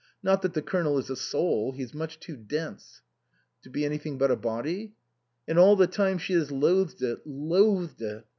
Not that the Colonel is a soul he's much too dense." " To be anything but a body?" " And all the time she has loathed it loathed it.